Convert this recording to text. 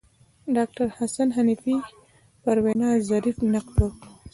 ډاکتر حسن حنفي پر وینا ظریف نقد وکړ.